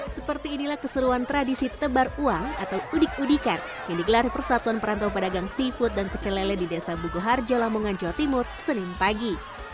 seperti inilah keseruan tradisi tebar uang atau udik udikan yang digelar persatuan perantau pedagang seafood dan pecelele di desa bukoharjo lamongan jawa timur senin pagi